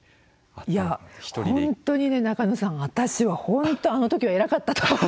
いや本当にね中野さん私は本当あの時は偉かったと思う。